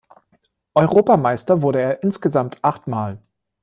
Europameister wurde er insgesamt achtmal.